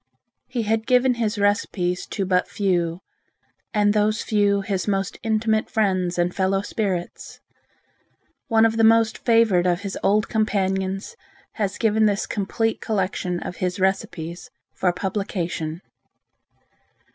He had given his recipes to but few, and those few his most intimate friends and fellow spirits. One of the most favored of his old companions has given this complete collection of his recipes for publication.